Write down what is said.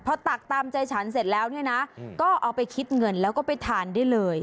พอตักตามใจฉันเสร็จแล้วเนี่ยนะก็เอาไปคิดเงินแล้วก็ไปทานได้เลย